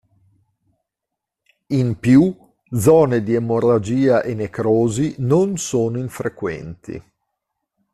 In più, zone di emorragia e necrosi non sono infrequenti.